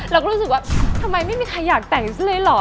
เราก็รู้สึกว่าทำไมไม่มีใครอยากแต่งซะเลยเหรอ